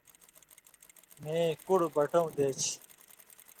مَیں کُڑہ بَٹَوں دَے څھے۔